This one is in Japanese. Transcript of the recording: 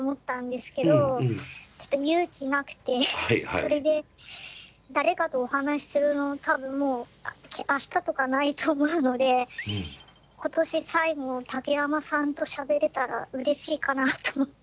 それで誰かとお話しするの多分もう明日とかないと思うので今年最後を竹山さんとしゃべれたらうれしいかなと思って。